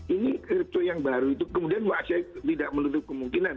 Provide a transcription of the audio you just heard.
ini kripto yang baru itu kemudian tidak menutup kemungkinan